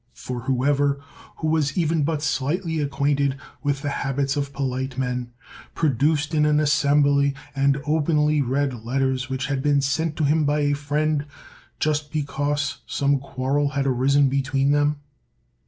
For who ever, who was even but slightly acquainted with the habits of polite men, produced in an assembly and openly read letters which had been sent to him by a friend, just because some quar rel had arisen between them?